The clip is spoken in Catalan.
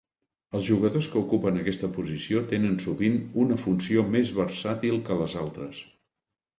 Els jugadors que ocupen aquesta posició tenen sovint una funció més versàtil que les altres.